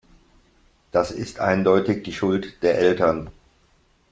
Das ist eindeutig die Schuld der Eltern.